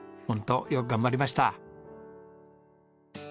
ホントよく頑張りました。